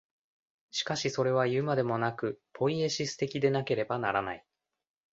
しかしそれはいうまでもなく、ポイエシス的でなければならない。